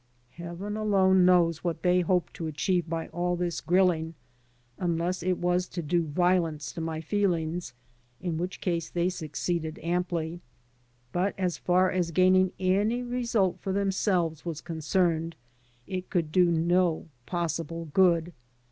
Heaven alone knows what they hoped to achieve by all this grilling, unless it was to do violence to my feelings, in which case they succeeded amply. But as far as gaining any result for themselves was concerned it could do no possible good.